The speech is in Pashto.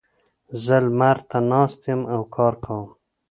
زه لمر ته ناست یم او کار کوم.